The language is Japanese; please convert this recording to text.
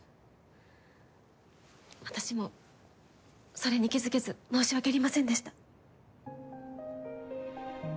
私もそれに気付けず申し訳ありませんでした。